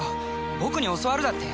僕に教わるだって？